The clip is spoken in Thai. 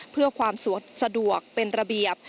เพื่อความสะดวกเป็นระเบียบ